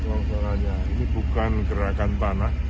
ini bukan gerakan tanah